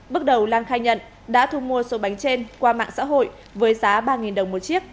bước đầu lan khai nhận đã thu mua số bánh trên qua mạng xã hội với giá ba đồng một chiếc